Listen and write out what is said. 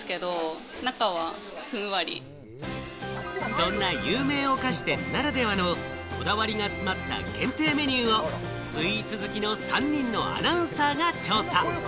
そんな有名お菓子店ならではの、こだわりが詰まった限定メニューをスイーツ好きの３人のアナウンサーが調査。